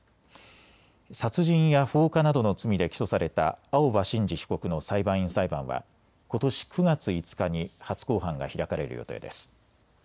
殺人や放火などの罪で起訴された青葉真司被告の裁判員裁判はことし９月５日に初公判が開かれる予定です。